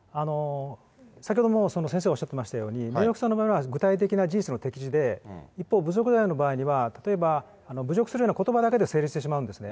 先ほども先生おっしゃっていましたように、名誉毀損の場合は、具体的な事実の適示で一方、侮辱罪の場合には、例えば侮辱するようなことばだけで成立してしまうんですね。